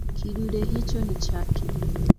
Kidude hicho ni chake.